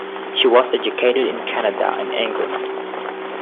She was educated in Canada and England.